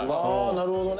「なるほどね。